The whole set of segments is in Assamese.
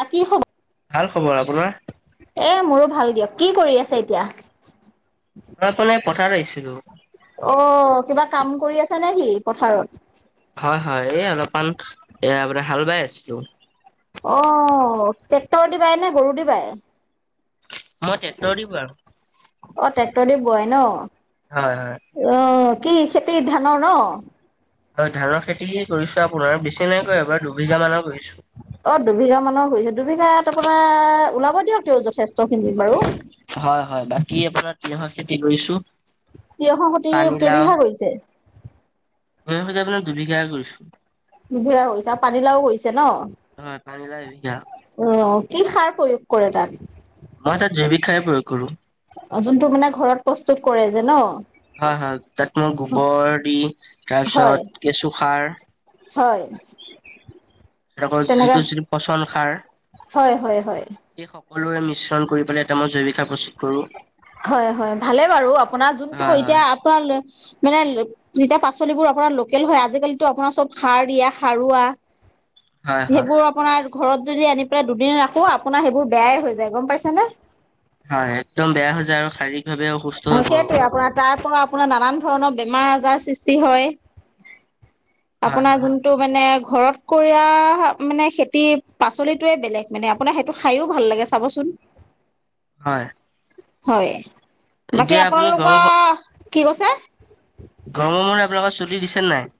আ কি খব ভাল খবৰ আপোনাৰ এ মোৰো ভাল দিয়ক কি কৰি আছে এতিয়া মই পালে পথাৰ আহিছিলো অ কিবা কাম কৰি আছে নেকি পথাৰত হয় হয় এই অলপমান এয়া আপোনাৰ হাল বাই আছিলো অ ট্ৰেক্টৰেদি বাই নে গৰু দি বাই মই ট্ৰেক্টৰ দি বোৱাও অ ট্ৰেক্টৰ দি বোৱাই ন হয় হয় অ কি খেতি ধানৰ ন হয় ধানৰ খেতিয়ে কৰিছো আপোনাৰ বেছি নাই কৰা এবাৰ দুবিঘা মানৰ কৰিছো অ দুবিঘা মানৰ কৰিছে দুবিঘাত আপোনাৰ ওলাব দিয়ক তেউ যথেষ্ট খিনি বাৰু হয় হয় বাকী আপোনাৰ তিয়হৰ খেতি কৰিছো তিয়হৰ খেতি কেইবিঘা কৰিছে মই সজাই বিলাক দুবিঘা হে কৰিছো দুবিঘা কৰিছা আৰু পানীলাও কৰিছে ন হয় পানীলাও এবিঘা অ কি সাৰ প্ৰয়োগ কৰে তাত মই তাত জৈৱিক সাৰে প্ৰয়োগ কৰো অ যোনটো মানে ঘৰত প্ৰস্তুত কৰে যে ন হয় হয় তাত মই গোবৰ দি হয় তাৰপিছত কেঁচু সাৰ হয় লগৰ তেনেকা যিটো যিটো পচন সাৰ হয় হয় হয় সেই সকলোৰে মিশ্ৰণ কৰি পেলাই এটা মই জৈৱিক সাৰ প্ৰস্তুত কৰো হয় হয় ভালে বাৰু আপোনাৰ যোনটো হয় হয় এতিয়া আপোনাৰ লে মানে তিয়া পাচলিবোৰ আপোনাৰ লোকেল হয় আজিকালিতো আপোনাৰ চব সাৰ দিয়া সাৰুৱা হয় হয় সেইবোৰ আপোনাৰ ঘৰত যদি আনি পেলাই দুদিন ৰাখো আপোনাৰ সেইবোৰ বেয়াই হৈ যায় গম পাইছে নে হয় একদম বেয়া হৈ যায় আৰু শাৰীৰিক ভাৱেও ভালকেটো আপোনাৰ তাৰ পৰা আপোনাৰ নানান ধৰণৰ বেমাৰ আজাৰ সৃষ্টি হয় হয় আপোনাৰ হয় যোনটো মানে ঘৰত কৰা মানে খেতি পাচলিটোয়ে বেলেগ মানে আপোনাৰ সেইটো খায়ও ভাল লাগে চা চাবচোন হয় হয় বাকী এতিয়া আপুনি গৰম আপোনালোকৰ কি কৈছে গৰমৰ মাহ আপোনালোকৰ চুটি দিছে নাই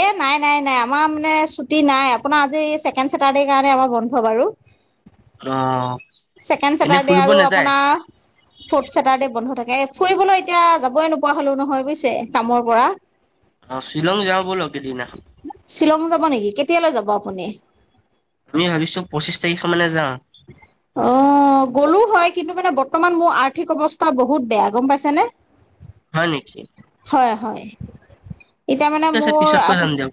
এ নাই নাই নাই আমাৰ মানে ছুটি নাই আপোনাৰ আজি ছেকেণ্ড চেতাৰডে কাৰণে আমাৰ বন্ধ বাৰু। অঁ ছেকেণ্ড ছেটাৰ্ডে' আৰু আপোনাৰ- ফৰ্থ ছেটাৰ্ডে বন্ধ থাকে ফুৰিবলৈ এতিয়া যাবই নোপোৱা হলো নহয় বুজিছে কামৰ পৰা অ শ্বিলং যাওঁ বলক এদিনা শ্বিলং যাব নিকি কেতিয়ালৈ যাব আপুনি আমি ভাবিছো পঁচিছ তাৰিখ মানে যা- অ অ গ'লো হয় কিন্তু মানে বৰ্তমান মোৰ আৰ্থিক অৱস্থা বহুত বেয়া গম পাইছেনে- হয় নেকি? হয় হয় এতিয়া মানে ঠিক আছে মোৰ পিছতকৈ যাম আপ- দিয়ক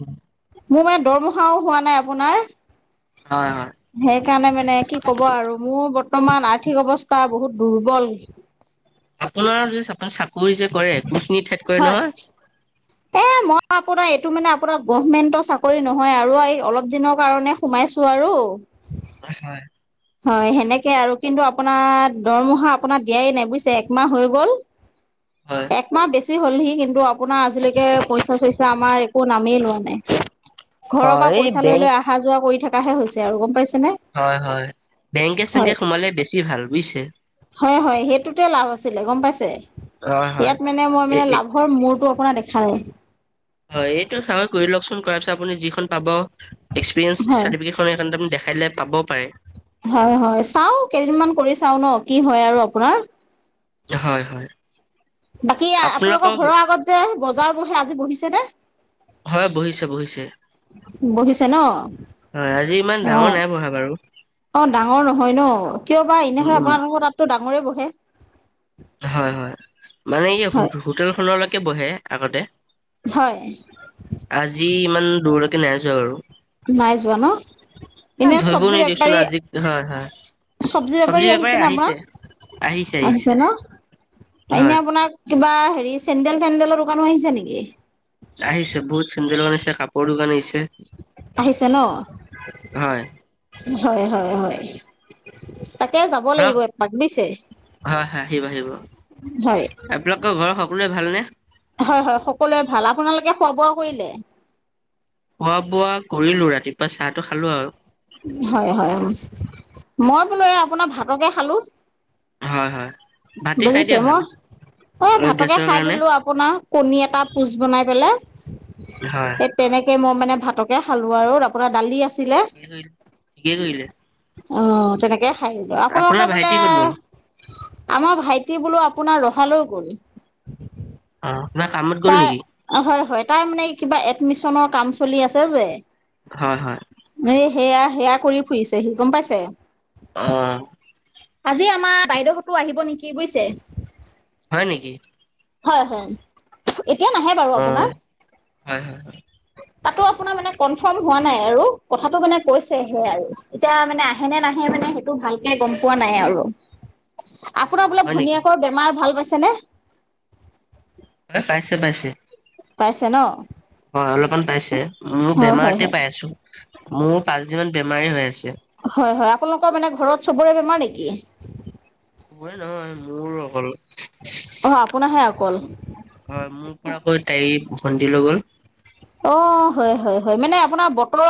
মোৰ মানে দৰমহাও হোৱা নাই আপোনাৰ হয় হয় সেইকাৰণে মানে কি- ক'ব আৰু মোৰ বৰ্তমান আৰ্থিক অৱস্থা বহুত দুৰ্বল- আপোনাৰ যে আপ চাকৰি যে কৰে কোনখিনি ঠাইত কৰে হয়। নহয়। এ মই আপোনাৰ এইটো মানে আপোনাৰ গভমেন্টৰ চাকৰি নহয় আৰু এই অলপ দিনৰ কাৰণে সোমাইছো আৰু। হয় হয় হয় সেনেকে আৰু কিন্তু আপোনাৰ দৰমহা আপোনাৰ দিয়াই নাই বুজিছে একমাহ হৈ গ'ল। হয় একমাহ বেছি হ'লহি কিন্তু- আপোনাৰ আজিলৈকে পইচা চইচা আমাৰ একো নামেই লোৱা নাই ঘৰৰ হয় পৰা এই পইচা লৈ বেংক লৈ আহ- অহা যোৱা কৰি থকাহে হৈছে আৰু গম পাইছেনে। হয় হয় বেংকে হয় চেংকে সোমালে বেছি ভাল বুজিছে। হয় হয় সেইটোতে লাভ আছিলে গম পাইছে, হয় হয় ইয়াত মানে মই এ মানে এ লাভ- ৰ মূৰতটো অকণ দেখাই- হয়, এইটো চাকৰি কৰি লওকচোন, কৰাৰ পিছত আপুনি যিখন পাব এক্সপিৰিয়েঞ্চ হয় চাৰ্টিফিকেট। সি দেখাই দিলে পাব পাৰে। হয় হয়, চাও কেইদিনমান কৰি চাও ন কি হয় আৰু আপোনাৰ। হয় হয়। বাকী আপোনালোকৰ আপোনালোকক ঘৰৰ আগত যে বজাৰ বহে, আজি বহিছে নে? হয় বহিছে বহিছে। বহিছে ন? হয় আজি ইমান ডাঙৰ অ', নাই বহা বাৰু অ ডাঙৰ নহয় ন কিয় বা উম এনেহলে উম, আপোনাৰোকৰ তাততো ডাঙৰেই বহে। হয় হয় মানে এই হয়, হোটেলখনলৈকে বহে আগতে। হয়। আজি ইমান দূৰলৈকে নাই যোৱা আৰু। নাই যোৱা ন। এনে ধৰিব চব্জি নি দেচোন বেপাৰী আজি হয় হয়। চব্জি বেপাৰী আহিছে ন আপোনাৰ, আহিছে ন। হয় এনে আপোনাক কিবা হেৰি চেন্দেল তেন্দেলৰ দোকানো আহিছে নেকি। আহিছে বহুত চেন্দলো আনিছে কাপোৰো দোকান আহিছে। আহিছে ন, হয় হয় হয় হয়। তাকে যাব ধৰক লাগিব এপাক দিছে হয় হয় আহিব আহিব হয়। আপোনালোকৰ ঘৰৰ সকলোৱে ভালনে? হয় হয়, সকলোৱে ভাল, আপোনালোকে খোৱা বোৱা কৰিলে? খোৱা বোৱা কৰিলো ৰাতিপুৱা চাহটো খালো আৰু। হয় হয়। মই বোলো এই আপোনাৰ ভাতকে খালোঁ। হয় হয়। ভাতে খাই বুজিছে দিয়া ভাল মই এই ভাতকে গেছৰ খাই কাৰণে দিলো আ- পোনাৰ কণী এটা পোচ বনাই পেলাই। হয়। তেনেকে মই মানে ভাতকে খালো আৰু আপোনাৰ দালি আছ- তিলে ঠিকেই কৰিলে ঠিকে কৰিলে। অহ, তেনেকে খাই আহিলোঁ আপোনালোকে আপোনাৰ বোলে ভাইটি ক'ত গ'ল আমাৰ ভাইটি বোলো আপোনাৰ ৰহালৈ গ'ল। অ, না কামত গ'ল নেকি? অ হয় হয়, তাৰ মানে কিবা এডমিশনৰ কাম চলি আছে যে। হয় হয়। এ সেয়া সেয়া কৰি ফুৰিছে সি গম পাইছে। অ', আজি আমাৰ বাইদহতো আহিব নেকি বুইছে? হয় নেকি? হয় হেন এতিয়া নাহে বাৰু অ আপোনাৰ। হয় হয় [unintelligible] তাতো আপোনাৰ মানে কনফৰ্ম হোৱা নাই আৰু কথাটো মানে কৈছেহে আৰু এতিয়া মানে আহে নে নাহে মানে সেই ইটো ভালকে গম পোৱা নাই আৰু। [inaudible] অ আপোনাৰ বোলে হয় নেকি ভনীয়েকৰ বেমাৰ ভাল পাইছে নে? নে পাইছে -পাইছে। পাইছে ন? হয় অলপমান পাইছে মোক হয় হয় বেমাৰতে হয় পাই আছো। মোৰ পাঁচদিনমান বেমাৰে হৈ আছে। হয়- হয় আপোনালোকৰ মানে ঘৰত চবৰে বেমাৰ নেকি? চবৰে নহয় মোৰ অকল। অহ, আপোনাহে অকল? হয় মোৰ পৰা আক তাই ভণ্টি লৈ গ'ল। অ, হয় -হয় -হয় মানে আপোনাৰ বতৰৰ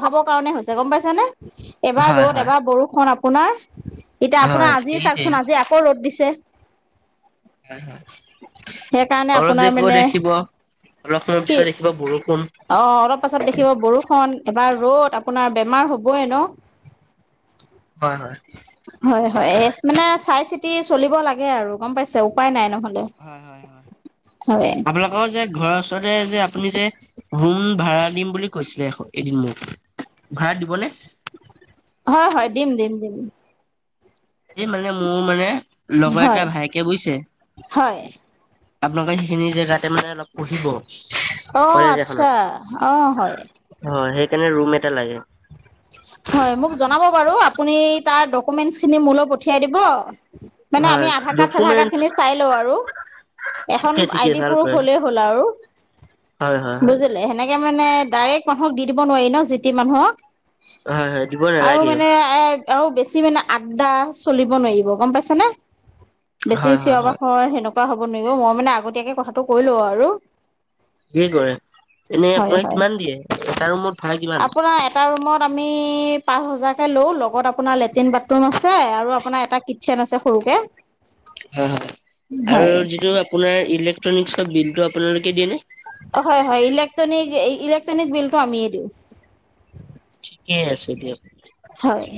প্ৰভাৱৰ কাৰণে হৈছে গম পাইছ নে? এবাৰ হয় ৰ'দ, হয় এবাৰ বৰষুণ আপোনাৰ এতিয়া আপোনাৰ হয় আজিয়ে এইটোৱে চাওকচোন আজি আকৌ ৰ'দ দিছে। নাই হোৱা। সেইকাৰণে অলপ আপোনাৰ দেৰি কৈ মানে দেখিব অলপ সময়ৰ কি পিছত দেখিব বৰষুণ। অ, অলপ পাছত দেখিব বৰষুণ এবাৰ ৰ'দ আপোনাৰ বেমাৰ হ'বই ন'। হয় -হয় হয় -হয় এচ মানে চাই চিতি চলিব লাগে আৰু গম পাইছে উপায় নাই নহল হয়- হয়- হয় আপ [unintelligible] অ, যে ঘৰৰ ওচৰতে যে আপুনি যে ৰুম ভাড়া দিম বুলি কৈছিলে এদিন মোক। ভাড়া দিবনে? হয়-হয় দিম -দিম-দিম। এ মানে মোৰ মানে লগৰ এটা হয় ভাইকে বুইছে হয় আপোনালোকৰ সেইখিনি জেগাতে মানে অলপ পঢ়িব অ কলেজ আচ্ছা এখনত হয় সেইকাৰণে ৰুম এটা লাগে। হয় মোক জনাব বাৰু আপুনি তাৰ ডকুমেন্টেচ খিনি মোলৈ পঠিয়াই দিব মানে হয় আমি আধাৰ কাৰ্ড -চাধাৰ কাৰ্ড ডকুমেন্টচ খিনি চাই লওঁ আৰু। এখন ঠিকে আই ঠিকে ডি ভালকৈ প্ৰুফ হ'লেই হ'ল আৰু। হয়- হয়। হয়। বুজিলে সেনেকে মানে ডাইৰেক্ট মানুহক দি দিব নোৱাৰি ন' যিতি মানুহক। হয় হয় দিব আৰু নালাগে মানে এ ঔ বেছি মানে আড্ডা চলিব নোৱাৰিব গম পাইছে নে? বেছি চিঞ বাখৰ হয় সেনেকুৱা হ'ব নোৱাৰিব মই মানে আগতীয়াকে কথাটো কৈ লওঁ আৰু। হিয়ে কৰে এনে হয় আপোনাক হয়। কিমান দিয়ে এটা ৰুমত? ভাড়া কিমান? আপোনাৰ এটা ৰুমত আমি পাঁচ হাজাৰকে লওঁ লগত আপ আপোনাৰ লেট্ৰিন, বাথৰুম আছে আৰু আপোনাৰ এটা কিটচেন আছে সৰুকে। হয় -হয় আৰু হয়। যিটো আপোনাৰ ইলেক্ট্ৰনিকচৰ বিলটো আপোনালোকে দিয়ে নে? হয় হয় ইলেক্ট্ৰনিক ইলেক্ট্ৰনিক বিলটো আমিয়ে দিওঁছ। ঠিকে আছো দিয়ক। হয়,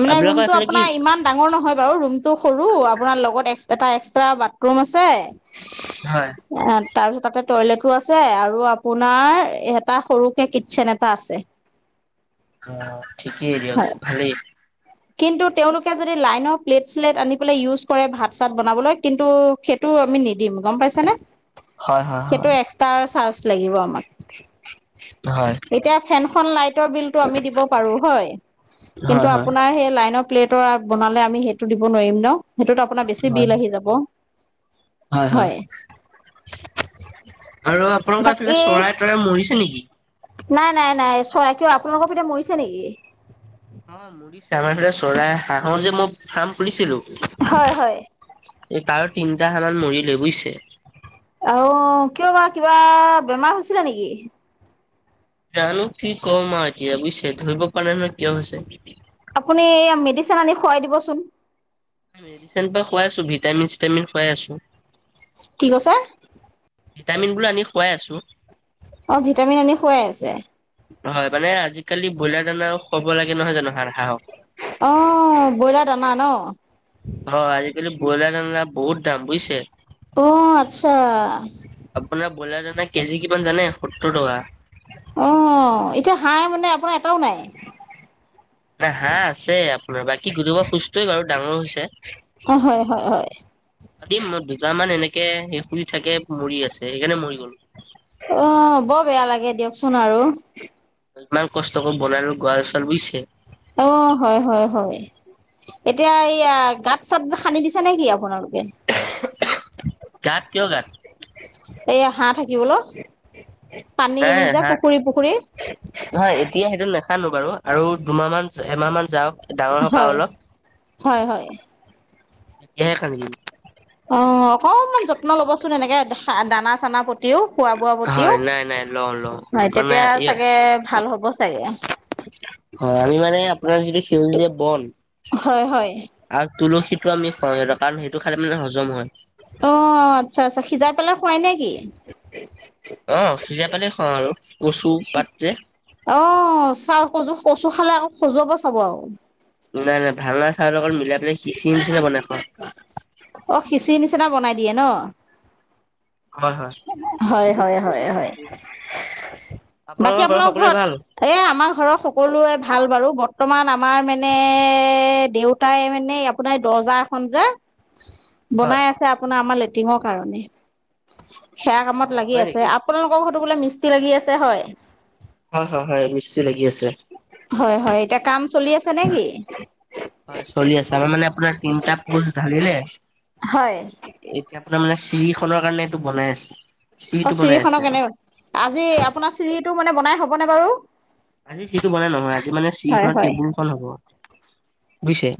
মানে আপোনালোকৰ ৰুমটো এইফালে কি আপোনাৰ ইমান ডাঙৰ নহয় বাৰু ৰুমটো সৰু আপোনাৰ লগত এটা এক্সট্ৰা বাথৰুম আছে। হয়। আ, তাৰপিছত তাতে টয়লেটো আছে আৰু আপোনাৰ এটা সৰুকে কিটচেন এটা আছে। অ, ঠিকেই দিয়ক হয়। ভালেই। কিন্তু তেওঁলোকে যদি লাইনৰ প্লেট -চিলেট আনি পেলাই ইউজ কৰে ভাত-চাত বনাবলৈ কিন্তু সেইটো আমি নিদিম। গম পাইছানে, হয় হয় সেইটো হয় এক্সটাৰ চাৰ্জ লাগিব আমাক। হয় এতিয়া ফেনখন লাইটৰ বিলতটো আমি দিব পাৰো হয়। কিন্তু হয় হয় আপোনাৰ সেই লাইনৰ প্লেটৰ বনালে আমি সেইটো দিব নোৱাৰিম ন। সেইটোত আপোনাৰ বেছি হয় বিল আহি যাব। হয় হয় আৰু আপোনালোকৰ এইফালে বাকী চৰাই তৰাই মৰিছে নেকি? নাই নাই নাই চৰাই কিয় আপোনালোকৰ পিনে মৰিছে নেকি? অ মুৰিছে আমাৰফালে চৰাই হাঁহৰ যে মই ফাৰ্ম খুলিছিলো। হয় হয়। তাৰ তিনিটা সানাত মৰিলে বুজিছে। আও কিয় বা কিবা বেমাৰ হৈছিলে নেকি? জানো কি কম আৰু এতিয়া বুজিছে ধৰিব পানে নহয় কিয় হৈছে? আপুনি মেডিচিন আনি খুৱাই দিবচোন। মেডিচিন ত খাইছো ভিটামিন চিটামিন খুৱাই আছো। কি কৈছে? ভিটামিন বোৰ আনি খুৱাই আছো। অ ভিটামিন আনি খোৱাই আছে। হয় মানে আজিকালি ব্ৰইলাৰ দানা খোৱাব লাগে নহয় জানো হাঁহক। অ ব্ৰইলা দানা ন। অ আজিকালি ব্ৰইলাৰ বহুত দাম বুইছে। অ আত্চ্ছা। আপোনাৰ ব্ৰইলাৰ দানা কেজি কিমান জানে সত্তৰ টকা। অ এতিয়া হাঁহ মানে আপোনাৰ এটাও নাই। না হাঁহ আছে আপোনাৰ বাকী গোটোবা সুস্থই বাৰু ডাঙৰ হৈছে। অহ হয় হয় হয়। দিম মই দুজাম মান এনেকে সে শুই থাকে মৰি আছে সেইকাৰণে মৰি গ'ল। অ বৰ বেয়া লাগে দিয়কচোন আৰু। ইমান কষ্টক বনাই গোৱাৰ ছোৱাল বুজিছে। অ হয় হয় হয়। এতিয়া এইয়া গাত চাত সানদি দিছো নে কি আপোনালোকে। গাত কিয় গাত। এয়া হাঁহ থাকিবলৌ। পানী এৰি যা পুখুৰী পুখুৰী হয় এতিয়া সেইটো নাছ- হানো বাৰু আৰু দুমাহ মান এমাহ মান যাওক। ডাঙৰ হওঁক হয় অলপ হয় হয়। তেতিয়াহে খানি দিম। অ অকনমান যত্ন লবচোন এনেকে দানা চানা প- প্ৰতিও খোৱা বোৱা প্ৰতিও হয় নাই নাই লওঁ লওঁ হয় তেতিয়া মানে চাগে ভাল হ'ব চাগে। হয় আমি মানে আপোনাৰ যিটো সেউজীয়া বন। হয় হয়। আৰু তুলসীটো আমি স সৰকাণ সেইটো খালে মানে হজম হয়। অ আচ্ছা আচ্ছা সিজাই পেলাই খোৱাই নে কি? অ সিজাই পেলাই খোৱাও আৰু কচু পাত যে অ চাৱ কজু কচু খালে আকৌ খজুৱাব চাব আঔ নাই নাই ভাঙা চাউলৰ লগত মিলাই পেলাই খিচিৰি নিছিনা বনাই খোৱাও অ খিচিৰি নিচিনা বনাই দিয়ে ন হয় হয় হয় হয় হয় হয় বাকী আপোনালোকৰ ঘৰৰ আপোনাৰ সকলোৰে ভাল ঘৰত এ আমাৰ ঘৰৰ সকলোৱে ভাল বাৰু বৰ্তমান আমাৰ মানে দেউত- তাই মানে আপোনাৰ দৰ্জা এখন যে হয় বনাই আছে আপোনাৰ আমাৰ লেট্ৰিনৰ কাৰণে, সেয়া কামত অ' লাগি হয় আছে। নেকি? আপোনালোকৰ ঘৰতো বোলে মিস্তি লাগি আছে হয়। হয় হয় হয় মিস্ত্ৰী লাগি আছে হয় হয় এতিয়া কাম চলি আছে নে কি হয় চলি আছে আমাৰ মানে আপোনাৰ তিনটা পষ্ট ঢালিলে হয় এতিয়া আপোনাৰ মানে চিৰি খনৰ কাৰণে এইটো বনাই আছে অ চিৰিটো চিৰি বনাই আছে খনৰ কেনে আজি আপোনাৰ চিৰিটো মানে বনাই হবনে বাৰু আজি চিৰিটো বনাই নহয় আজি মানে হয় চিৰিখনৰ হয় টেবুল খন হব, বুইছে